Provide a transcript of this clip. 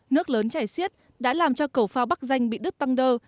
nước lớn chảy xiết đã làm cho cầu phao bắc danh bị đứt tăng đơ